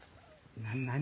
何？